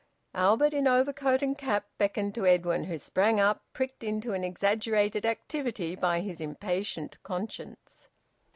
Albert, in overcoat and cap, beckoned to Edwin, who sprang up, pricked into an exaggerated activity by his impatient conscience.